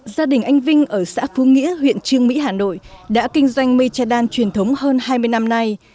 gia đình anh vinh ở xã phú nghĩa huyện trương mỹ hà nội đã kinh doanh mây che đan truyền thống hơn hai mươi năm nay